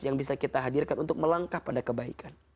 yang bisa kita hadirkan untuk melangkah pada kebaikan